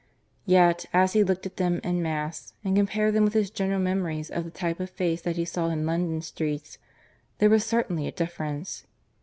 Yet, as he looked at them en masse, and compared them with his general memories of the type of face that he saw in London streets, there was certainly a difference.